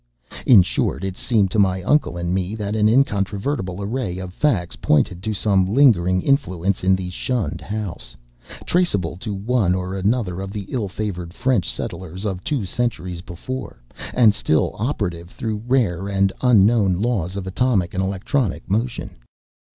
In short, it seemed to my uncle and me that an incontrovertible array of facts pointed to some lingering influence in the shunned house; traceable to one or another of the ill favored French settlers of two centuries before, and still operative through rare and unknown laws of atomic and electronic motion.